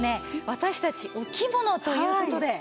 私たちお着物という事で。